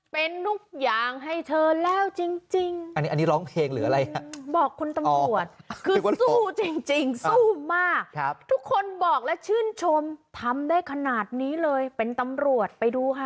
เป็นทุกอย่างให้เธอแล้วจริงอันนี้อันนี้ร้องเพลงหรืออะไรฮะบอกคุณตำรวจคือสู้จริงสู้มากทุกคนบอกและชื่นชมทำได้ขนาดนี้เลยเป็นตำรวจไปดูค่ะ